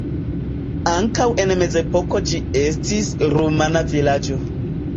Ankaŭ en mezepoko ĝi estis rumana vilaĝo.